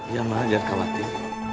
ya mama jangan khawatir